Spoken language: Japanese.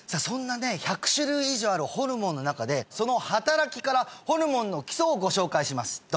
そんなね１００種類以上あるホルモンの中でその働きからホルモンの基礎をご紹介します